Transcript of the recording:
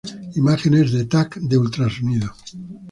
Imágenes de Tac de Ultrasonido.